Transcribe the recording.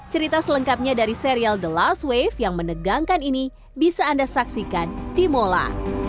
cerita selengkapnya dari serial the last wave yang menegangkan ini bisa anda saksikan di mola